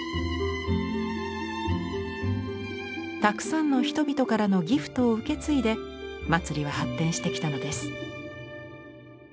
たくさんの人々からの「ギフト」を受け継いで祭りは発展してきたのです。